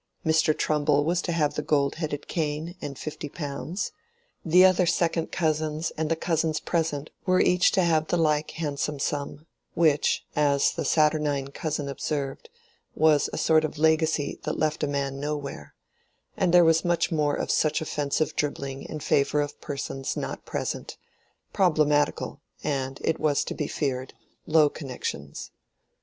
Mr. Trumbull was to have the gold headed cane and fifty pounds; the other second cousins and the cousins present were each to have the like handsome sum, which, as the saturnine cousin observed, was a sort of legacy that left a man nowhere; and there was much more of such offensive dribbling in favor of persons not present—problematical, and, it was to be feared, low connections.